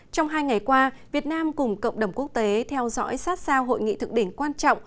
trong hai ngày qua việt nam cùng cộng đồng quốc tế theo dõi sát sao hội nghị thực đỉnh quan trọng